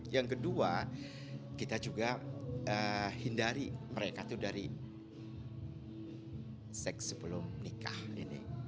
yang kedua kita juga hindari mereka itu dari seks sebelum nikah ini